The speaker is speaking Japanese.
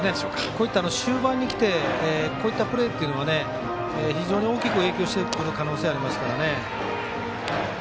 こういった終盤にきてこういったプレーというのは非常に大きく影響してくる可能性がありますからね。